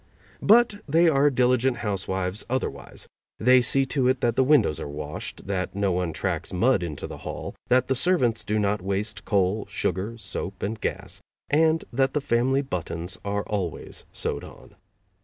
But they are diligent housewives otherwise; they see to it that the windows are washed, that no one tracks mud into the hall, that the servants do not waste coal, sugar, soap and gas, and that the family buttons are always sewed on.